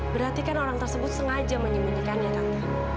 berarti kan orang tersebut sengaja menyembunyikannya kang